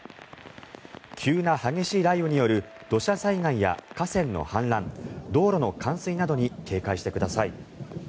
急な激しい雷雨による土砂災害や河川の氾濫道路の冠水などに警戒してください。